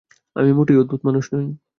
আমি মোটেই অদ্ভুত মানুষ নই।